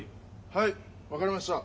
はい分かりました！